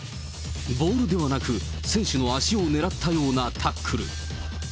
ボールではなく、選手の足を狙ったようなタックル。